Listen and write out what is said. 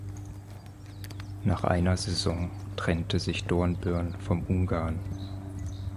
Nach einer Saison trennte sich Dornbirn vom Ungarn.